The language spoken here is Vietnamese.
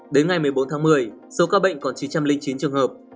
đến ngày một mươi bốn tháng một mươi số ca bệnh còn chín trăm linh chín trường hợp